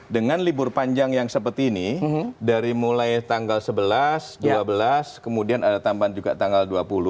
dengan libur panjang yang seperti ini dari mulai tanggal sebelas dua belas kemudian ada tambahan juga tanggal dua puluh